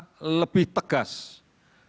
dengan cara lebih tegas dan lebih kuat